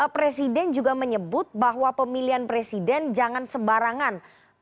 presiden juga menyebut bahwa pemilihan presiden jangan sembarangan